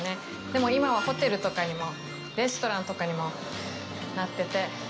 でも、今はホテルとかにもレストランとかにもなってて。